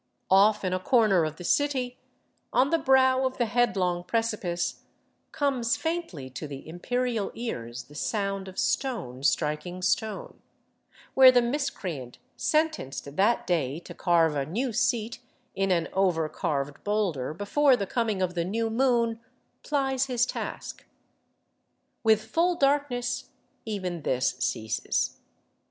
Off In a corner of the city, on the brow of the headlong precipice, comes faintly to the imperial ears the sound of stone striking stone, where the miscreant sentenced that day to carve a new seat in an over carved boulder before the coming of the new moon plies his task. With full darkness even this ceases.